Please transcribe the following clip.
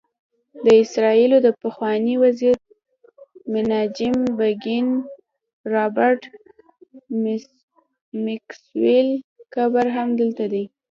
د اسرائیلو د پخواني وزیر میناچم بیګین، رابرټ میکسویل قبر هم دلته دی.